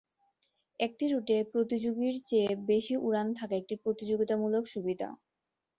একটি রুটে প্রতিযোগীর চেয়ে বেশি উড়ান থাকা একটি প্রতিযোগিতামূলক সুবিধা।